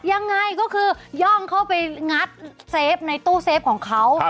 ยังไงก็คือย่องเข้าไปงัดเซฟในตู้เซฟของเขา